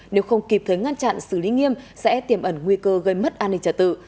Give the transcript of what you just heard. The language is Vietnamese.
nếu không kịp thời ngăn chặn xử lý nghiêm sẽ tiềm ẩn nguy cơ gây mất an ninh trả tự